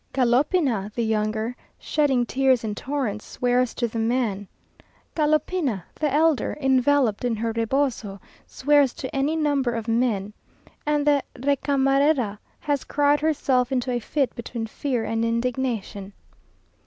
Galopina the younger shedding tears in torrents, swears to the man. Galopina the elder, enveloped in her reboso, swears to any number of men; and the recamerera has cried herself into a fit between fear and indignation.